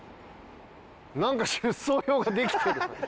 なんか出走表ができてる。